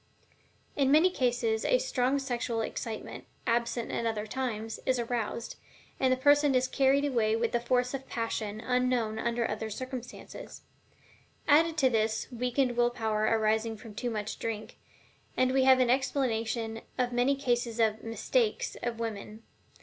In many cases a strong sexual excitement, absent at other times, is aroused, and the person is carried away with the force of passion unknown under other circumstances. Added to this the weakened will power arising from too much drink, and we have an explanation of many cases of "mistakes" of women.